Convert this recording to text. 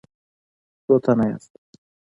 څو تنه یاست؟